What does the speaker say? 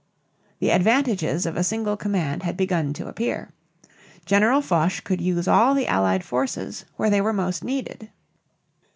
The advantages of a single command had begun to appear. General Foch could use all the Allied forces where they were most needed.